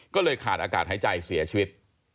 ก็เลยขาดอากาศหายใจเสียชีวิต